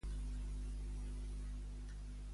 Va tornar a assistir a un programa de telerealitat?